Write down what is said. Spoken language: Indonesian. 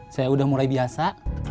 saya udah mulai biasa